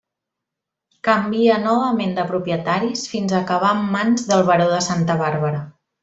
Canvia novament de propietaris fins a acabar en mans del baró de Santa Bàrbara.